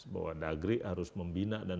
bahwa dagri harus membina dan